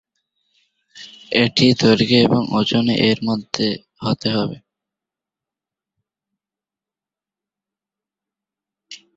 এটি দৈর্ঘ্যে এবং ওজনে এর মধ্যে হতে হবে।